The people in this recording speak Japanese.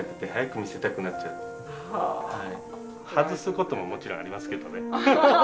外すことももちろんありますけどね。